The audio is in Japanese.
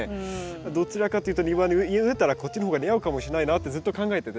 どちらかというと庭に植えるんだったらこっちの方が似合うかもしれないなってずっと考えてて悩んでて。